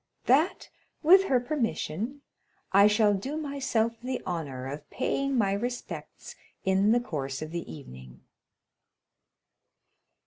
"That, with her permission, I shall do myself the honor of paying my respects in the course of the evening."